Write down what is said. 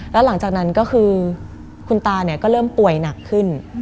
แล้วหลังจากนั้นก็คือคุณตาก็เริ่มป่วยหนักขึ้น